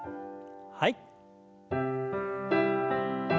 はい。